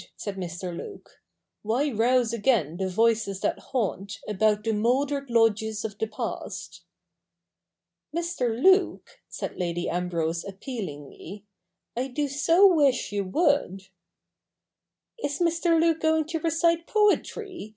said Mr. Luke ;' why rouse again the voices that haunt About the mouldered lodges of the past ?'' ]\Ir. Luke,' said Lady Ambrose appealingly, ' I do so wish you would.' ' Is Mr. Luke going to recite poetry